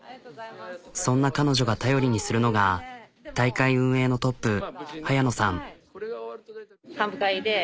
そんな彼女が頼りにするのが大会運営のトップ